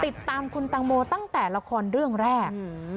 ติดตามคุณตังโมตั้งแต่ละครเรื่องแรก